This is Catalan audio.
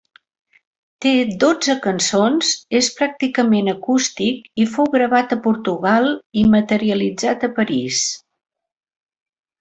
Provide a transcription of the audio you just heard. Té dotze cançons, és pràcticament acústic i fou gravat a Portugal i materialitzat a París.